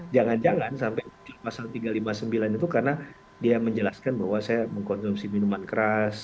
jangan jangan sampai pasal tiga ratus lima puluh sembilan itu karena dia menjelaskan bahwa saya mengkonsumsi minuman keras